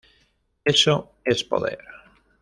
Eso es poder.